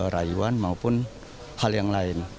rayuan maupun hal yang lain